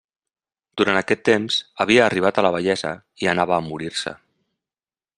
Durant aquest temps, havia arribat a la vellesa i anava a morir-se.